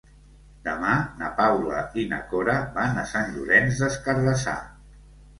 Demà na Paula i na Cora van a Sant Llorenç des Cardassar.